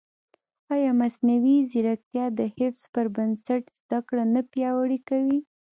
ایا مصنوعي ځیرکتیا د حفظ پر بنسټ زده کړه نه پیاوړې کوي؟